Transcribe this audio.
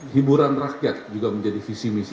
hiburan rakyat juga menjadi visi misi